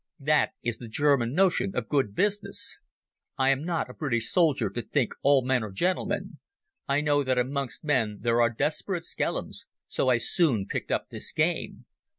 That is the German notion of good business. I am not a British soldier to think all men are gentlemen. I know that amongst men there are desperate skellums, so I soon picked up this game.